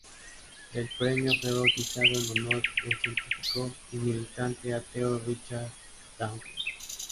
El premio fue bautizado en honor del científico y militante ateo Richard Dawkins.